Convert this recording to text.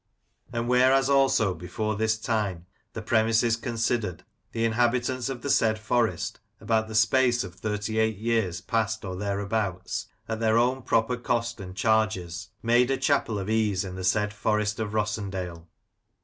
And whereas "also, before this time, the premises considered, the Inhabitants of the "said forrest, about the space of 38 years past or thereabouts, at their "own proper cost and charges, made a Chapel of ease in the said " Forrest of Rossendale.